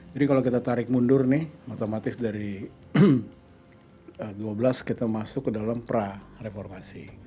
jadi kalau kita tarik mundur nih otomatis dari dua belas kita masuk ke dalam pra reformasi